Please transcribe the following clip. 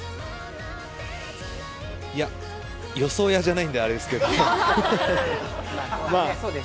予想屋じゃないのであれですけど。